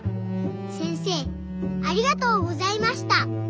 せんせいありがとうございました。